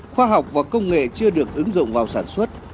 khoa học và công nghệ chưa được ứng dụng vào sản xuất